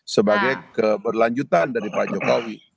sebagai keberlanjutan dari pak jokowi